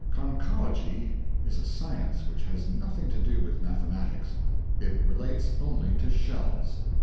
Conchology is a science which has nothing to do with mathematics; it relates only to shells.